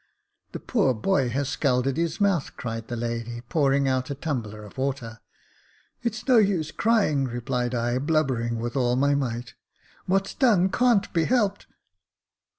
*' The poor boy has scalded his mouth," cried the lady, pouring out a tumbler of water. " It's no use crying," replied I, blubbering with all my might ;" what's done can't be helped."